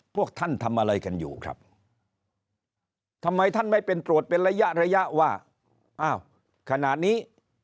พวกท่านทำอะไรกันอยู่ครับทำไมท่านไม่เป็นตรวจเป็นระยะระยะว่าอ้าวขนาดนี้